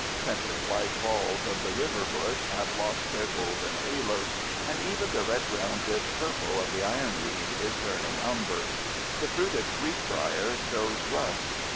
Scented white balls of the river bush have lost their golden haloes, and even the red grounded purple of the ironweed is turning umber. The fruited sweetbrier shows rust.